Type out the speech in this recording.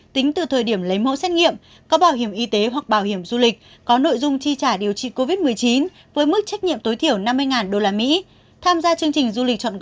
tính từ thời điểm lấy mẫu xét nghiệm có bảo hiểm y tế hoặc bảo hiểm du lịch có nội dung chi trả điều trị covid một mươi chín với mức trách nhiệm tối thiểu năm mươi usd